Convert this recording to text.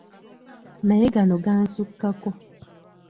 Naye gano gansukkako!